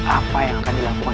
apa yang akan dilakukan